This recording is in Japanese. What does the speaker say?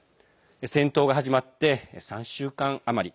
戦闘が始まって３週間余り。